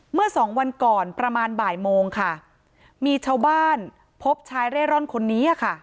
เมื่อสองวันก่อนประมาณบ่ายโมงค่ะมีชาวบ้านพบชายเร่ร่อนคนนี้ค่ะ